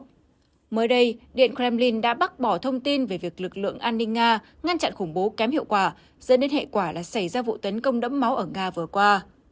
mới đây điện kremlin đã bác bỏ thông tin về việc lực lượng an ninh nga ngăn chặn khủng bố kém hiệu quả dẫn đến hệ quả là xảy ra vụ tấn công đẫm máu ở nga vừa qua